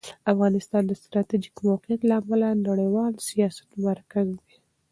افغانستان د ستراتیژیک موقعیت له امله د نړیوال سیاست مرکز دی.